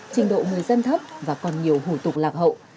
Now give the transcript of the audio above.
trình độ người dân thấp và còn nhiều hủ tục lạc hậu